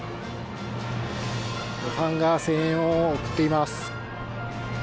ファンが声援を送っています。